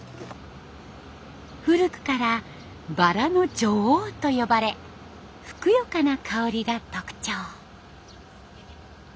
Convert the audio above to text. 古くから「バラの女王」と呼ばれふくよかな香りが特徴。